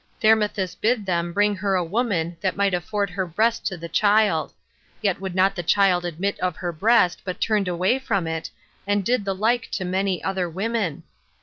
Thermuthis bid them bring her a woman that might afford her breast to the child; yet would not the child admit of her breast, but turned away from it, and did the like to many other women.